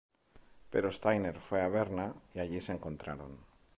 Pero Steiner fue a Berna y allí se encontraron.